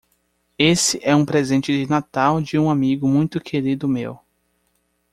Esse é um presente de Natal de um amigo muito querido meu.